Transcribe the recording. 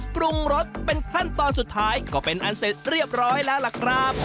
ปรุงรสเป็นขั้นตอนสุดท้ายก็เป็นอันเสร็จเรียบร้อยแล้วล่ะครับ